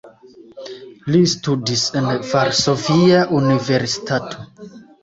Li studis en Varsovia Universitato.